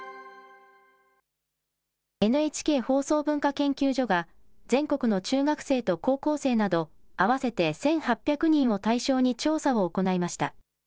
ＮＨＫ放送文化研究所が、全国の中学生と高校生など合わせて１８００人を対象に調査を行いました。